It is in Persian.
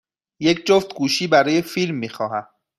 یک جفت گوشی برای فیلم می خواهم.